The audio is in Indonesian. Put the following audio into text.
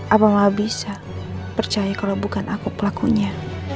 apa mama bisa percaya kalau bukan aku pelakunya